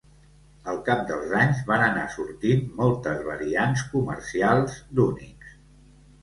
Al cap dels anys, van anar sortint moltes variants comercials d'Unix.